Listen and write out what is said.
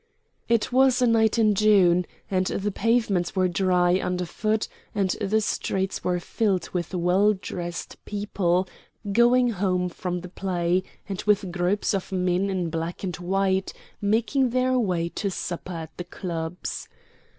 It was a night in June, and the pavements were dry under foot and the streets were filled with well dressed people, going home from the play, and with groups of men in black and white, making their way to supper at the clubs.